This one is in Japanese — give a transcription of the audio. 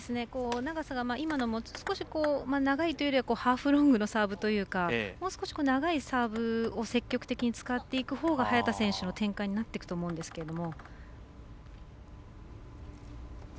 長さが、今のも少し長いというよりはハーフロングのサーブというかもう少し長いサーブを積極的に使っていくほうが早田選手の展開になっていくと思うんですが。